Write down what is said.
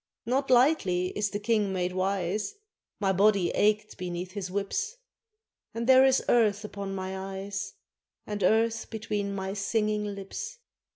Not lightly is a King made wise, My body ached beneath his whips, And there is earth upon my eyes, And earth between my singing lips.